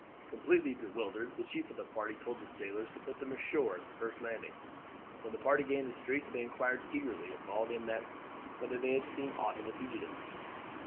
Completely bewildered, the chief of the party told the sailors to put them ashore at the first landing. When the party gained the streets they inquired eagerly of all they met whether they had seen aught of the fugitives.